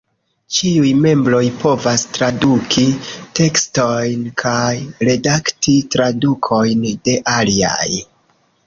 Ĉiuj membroj povas traduki tekstojn kaj redakti tradukojn de aliaj.